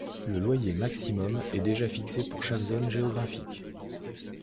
Le loyer maximum est déjà fixé pour chaque zone géographique.